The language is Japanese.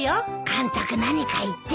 監督何か言ってた？